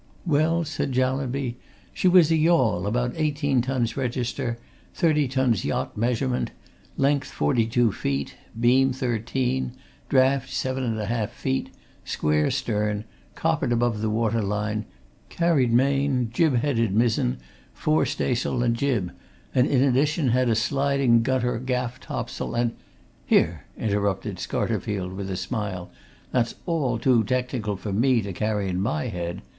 "Well," said Jallanby, "she was a yawl about eighteen tons register; thirty tons yacht measurement; length forty two feet; beam thirteen; draught seven and a half feet; square stern; coppered above the water line; carried main, jib headed mizen, fore staysail, and jib, and in addition had a sliding gunter gaff topsail, and " "Here!" interrupted Scarterfield with a smile. "That's all too technical for me to carry in my head!